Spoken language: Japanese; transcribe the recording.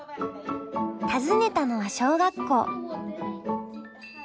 訪ねたのは小学校。